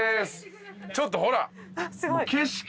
ちょっとほら景色